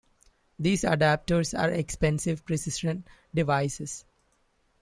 These adapters are expensive precision devices.